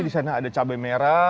disana ada cabai merah